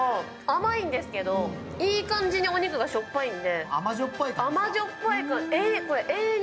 甘いんですけど、いい感じにお肉がしょっぱいので、甘じょっぱい感じ。